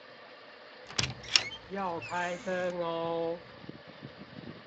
要開燈喔